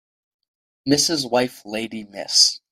Mrs. wife lady Miss